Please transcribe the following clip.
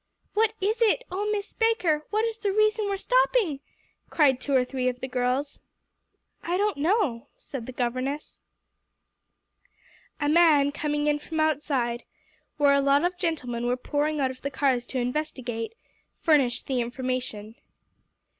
"What is it oh, Miss Baker, what is the reason we're stopping?" cried two or three of the girls. "I don't know," said the governess. A man coming in from outside, where a lot of gentlemen were pouring out of the cars to investigate, furnished the information.